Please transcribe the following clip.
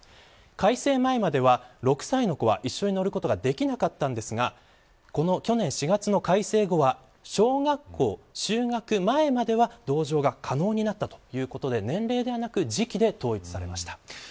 改正前までは、６歳の子は一緒に乗ることができなかったんですが去年４月の改正後は小学校就学前までは同乗が可能になったということで年齢ではなく時期で統一されました。